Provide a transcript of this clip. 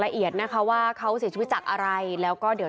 ละเอียดนะคะว่าเขาเสียชีวิตจากอะไรแล้วก็เดี๋ยว